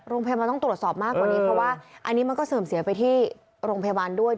โรงพยาบาลต้องตรวจสอบมากกว่านี้เพราะว่าอันนี้มันก็เสื่อมเสียไปที่โรงพยาบาลด้วย